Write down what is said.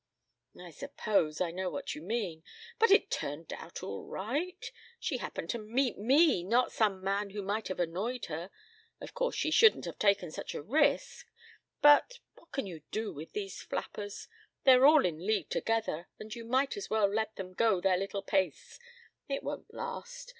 "I suppose I know what you mean. But it turned out all right. She happened to meet me, not some man who might have annoyed her. Of course she shouldn't have taken such a risk, but; what can you do with these flappers? They're all in league together and you might as well let them go their little pace. It won't last.